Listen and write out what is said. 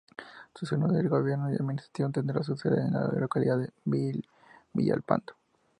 Sus órganos de gobierno y administración tendrán su sede en la localidad de Villalpando.